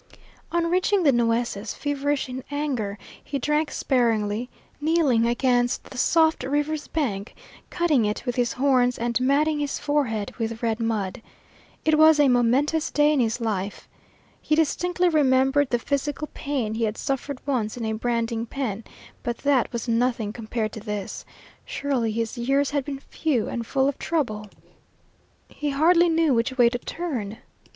On reaching the Nueces, feverish in anger, he drank sparingly, kneeling against the soft river's bank, cutting it with his horns, and matting his forehead with red mud. It was a momentous day in his life. He distinctly remembered the physical pain he had suffered once in a branding pen, but that was nothing compared to this. Surely his years had been few and full of trouble. He hardly knew which way to turn.